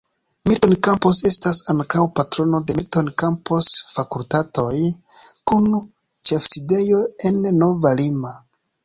Milton Campos estas ankaŭ patrono de "Milton Campos Fakultatoj", kun ĉefsidejo en Nova Lima.